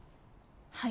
はい。